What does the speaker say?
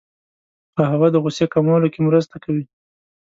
قهوه د غوسې کمولو کې مرسته کوي